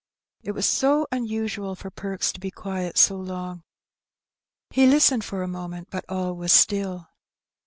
It was so unusual for Perks to be quiet so long. He listened for a moment^ but all was still.